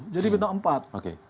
jadi bintang empat